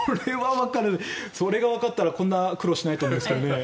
それがわかったらこんな苦労しないと思うんですけどね。